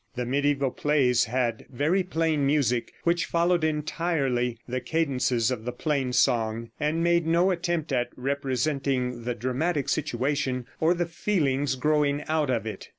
The mediæval plays had very plain music, which followed entirely the cadences of the plain song, and made no attempt at representing the dramatic situation or the feelings growing out of it.